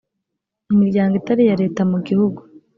imiryango itari iya leta mu gihugu